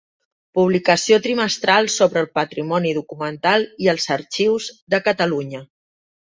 Publicació trimestral sobre el patrimoni documental i els arxius de Catalunya.